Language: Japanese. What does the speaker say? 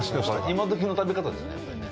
今どきの食べ方だよね、やっぱりね。